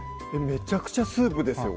めちゃくちゃスープですよ